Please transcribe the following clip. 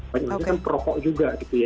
banyaknya kan perokok juga gitu ya